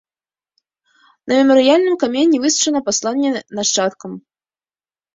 На мемарыяльным камені высечана пасланне нашчадкам.